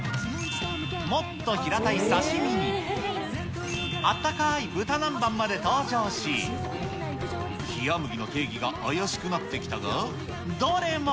もっと平たい刺身に、あったかい豚南蛮まで登場し、冷や麦の定義が怪しくなってきたが、どれも。